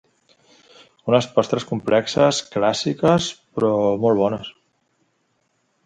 Unes postres complexes, clàssiques, però molt bones!